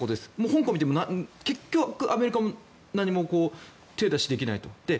香港を見ても結局、アメリカも何も手出しできないと。